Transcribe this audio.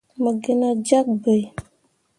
Mo gi nah jyak bai.